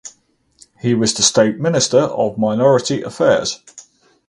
He was the State Minister of Minority Affairs.